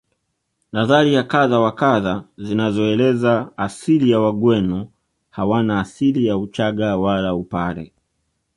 Nadharia kadha wa kadha zinazoeleza asili ya Wagweno hawana asili ya Uchaga wala Upare